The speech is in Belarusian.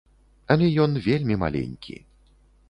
Але ён вельмі маленькі.